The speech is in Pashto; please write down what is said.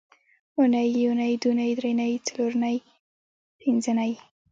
اونۍ یونۍ دونۍ درېنۍ څلورنۍ پینځنۍ